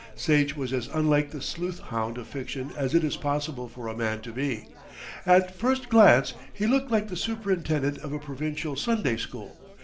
Sage was as unlike the "sleuth hound" of fiction as it is possible for a man to be. At first glance he looked like the superintendent of a provincial Sunday school.